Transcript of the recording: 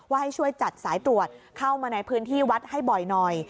ให้ช่วยจัดสายตรวจเข้ามาในพื้นที่วัดให้บ่อยหน่อย